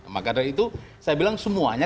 maka dari itu saya bilang semuanya